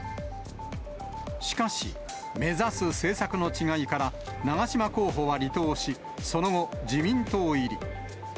しかし、目指す政策の違いから長島候補は離党し、その後、自民党入り。